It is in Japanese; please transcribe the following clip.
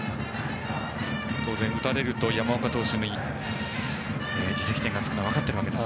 当然打たれると山岡投手に自責点がつくのが分かっているので。